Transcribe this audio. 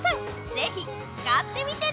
ぜひ使ってみてね！